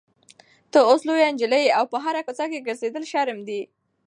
ته اوس لویه نجلۍ یې او په کوڅه کې ګرځېدل شرم دی.